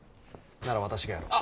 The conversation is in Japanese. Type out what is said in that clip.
なら私がやろう。